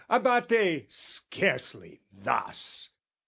Abate, scarcely thus!